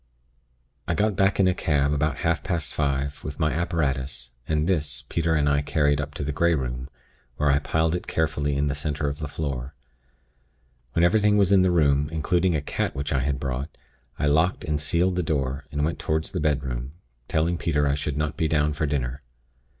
"I got back in a cab, about half past five, with my apparatus, and this, Peter and I carried up to the Grey Room, where I piled it carefully in the center of the floor. When everything was in the room, including a cat which I had brought, I locked and sealed the door, and went toward the bedroom, telling Peter I should not be down for dinner.